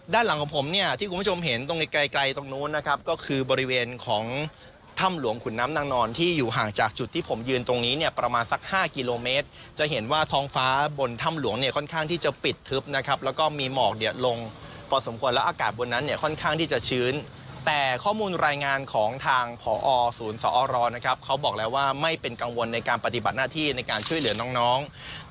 ด้านหลังของผมเนี่ยที่คุณผู้ชมเห็นตรงไกลตรงนู้นนะครับก็คือบริเวณของถ้ำหลวงขุนน้ำนางนอนที่อยู่ห่างจากจุดที่ผมยืนตรงนี้เนี่ยประมาณสัก๕กิโลเมตรจะเห็นว่าท้องฟ้าบนถ้ำหลวงเนี่ยค่อนข้างที่จะปิดทึบนะครับแล้วก็มีหมอกลงประสมควรแล้วอากาศบนนั้นเนี่ยค่อนข้างที่จะชื้นแต่ข้อมูลรายงานของ